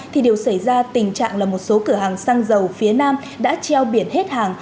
thì đều xảy ra tình trạng là một số cửa hàng xăng dầu phía nam đã treo biển hết hàng